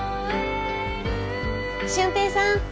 俊平さん